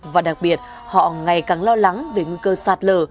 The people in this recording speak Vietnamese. và đặc biệt họ ngày càng lo lắng về nguy cơ sạt lở